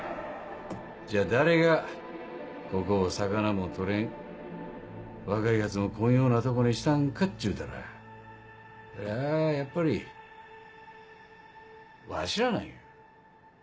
じゃあ誰がここを魚も取れん若いヤツも来んようなとこにしたんかっちゅうたらそりゃやっぱりわしらなんよ。